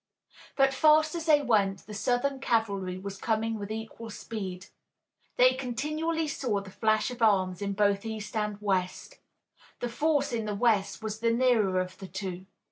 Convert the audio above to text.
But fast as they went the Southern cavalry was coming with equal speed. They continually saw the flash of arms in both east and west. The force in the west was the nearer of the two.